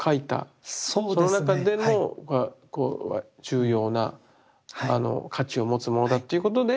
その中での重要な価値を持つものだということで。